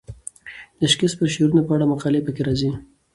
د شکسپیر د شعرونو په اړه مقالې پکې راځي.